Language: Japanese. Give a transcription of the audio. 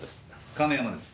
亀山です。